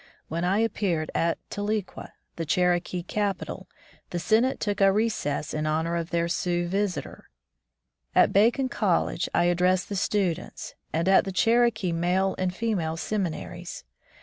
When I appeared at Tahlequah, the Cherokee capital, the Senate took a recess in honor of their Sioux visitor. At Bacone College I addressed the students, and at the Cherokee male and female seminaries.